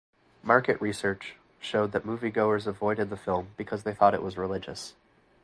Market research showed that moviegoers avoided the film because they thought it was religious.